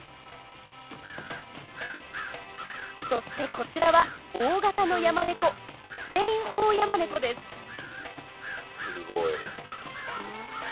そしてこちらは大型のヤマネコすごい。